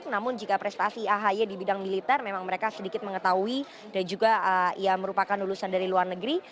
namun jika prestasi ahy di bidang militer memang mereka sedikit mengetahui dan juga ia merupakan lulusan dari luar negeri